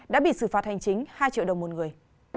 đã bị xử phạt hành chính hai triệu đồng một người